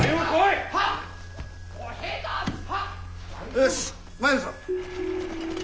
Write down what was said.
よし参るぞ。